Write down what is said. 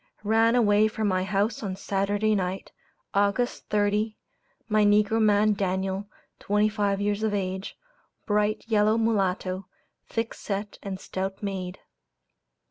Ranaway from my house on Saturday night, August 30, my negro man 'Daniel,' twenty five years of age, bright yellow mulatto, thick set and stout made.